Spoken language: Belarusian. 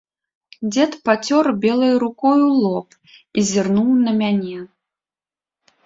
Дзед пацёр белай рукою лоб і зірнуў на мяне.